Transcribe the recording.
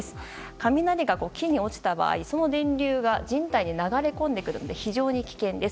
雷が木に落ちた場合その電流が人体に流れ込んでくるので非常に危険です。